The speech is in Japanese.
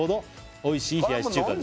「おいしい冷し中華です」